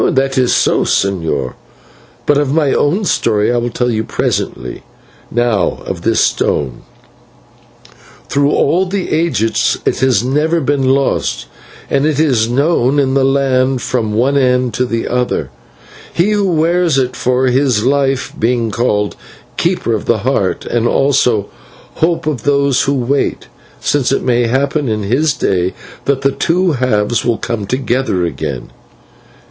"That is so, señor, but of my own story I will tell you presently. Now of this stone. Through all the ages it has never been lost, and it is known in the land from end to end; he who wears it for his life being called 'Keeper of the Heart,' and also 'Hope of those who wait,' since it may happen in his day that the two halves will come together again."